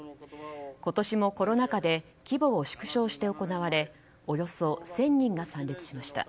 今年もコロナ禍で規模を縮小して行われおよそ１０００人が参列しました。